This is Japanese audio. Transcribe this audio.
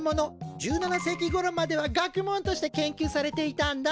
１７世紀ごろまでは学問として研究されていたんだ。